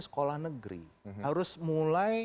sekolah negeri harus mulai